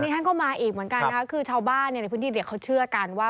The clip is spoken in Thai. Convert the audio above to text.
ท่านก็มาอีกเหมือนกันนะคะคือชาวบ้านในพื้นที่เนี่ยเขาเชื่อกันว่า